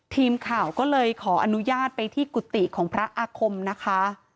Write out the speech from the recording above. ทีมข่าวก็เลยขออนุญาตไปที่กุฏิของพระอาคมนะคะ